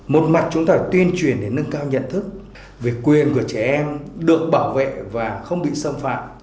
một mặt chúng ta phải tuyên truyền để nâng cao nhận thức về quyền của trẻ em được bảo vệ và không bị xâm phạm